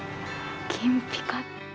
金ぴか。